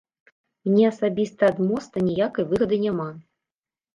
Мне асабіста ад моста ніякай выгады няма.